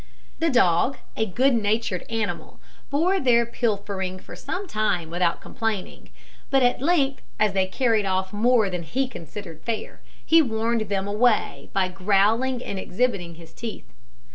The dog a good natured animal bore their pilfering for some time without complaining; but at length, as they carried off more than he considered fair, he warned them away, by growling and exhibiting his teeth.